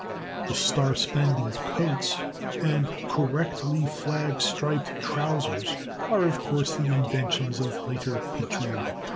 The star spangled coats and correctly flag striped trousers are of course the inventions of later patriotic times.